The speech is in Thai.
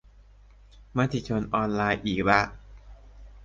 มติชนออนไลน์อีกละ